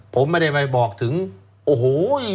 ผมไม่ได้ไปบอกถึงโอ้โห